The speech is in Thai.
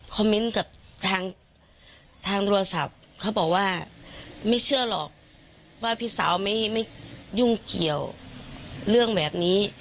เมนต์กับทางโทรศัพท์เขาบอกว่าไม่เชื่อหรอกว่าพี่สาวไม่ยุ่งเกี่ยวเรื่องแบบนี้